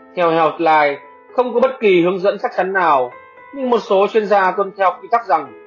theo healthline không có bất kỳ hướng dẫn chắc chắn nào nhưng một số chuyên gia tôn theo kỹ tắc rằng